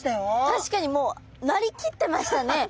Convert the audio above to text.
確かにもうなりきってましたね！？